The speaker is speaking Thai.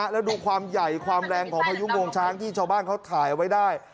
แล้วดูความใหญ่ความแรงของพายุงวงช้างที่ชาวบ้านเขาถ่ายไว้ได้